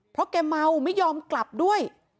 เพราะแกเมาไม่ยอมกลับด้วย